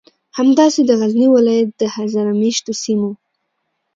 همداسې د غزنی ولایت د هزاره میشتو سیمو